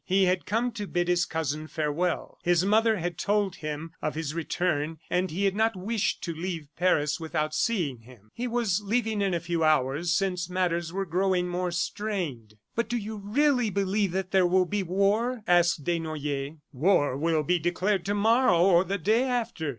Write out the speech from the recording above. He had come to bid his cousin farewell. His mother had told him of his return, and he had not wished to leave Paris without seeing him. He was leaving in a few hours, since matters were growing more strained. "But do you really believe that there will be war?" asked Desnoyers. "War will be declared to morrow or the day after.